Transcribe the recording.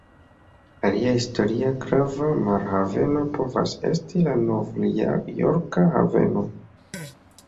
Alia historia grava marhaveno povas esti la Novjorka Haveno.